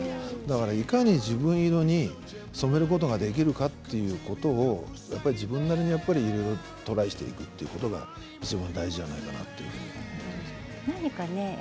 いかに自分色に染めることができるかということを自分なりにいろいろトライしていくということがいちばん大事じゃないかなと思います。